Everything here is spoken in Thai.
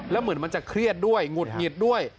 แล้วเหมือนมันจะเครียดด้วยหงุดหงิดด้วย